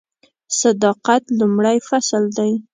صداقت لومړی فصل دی .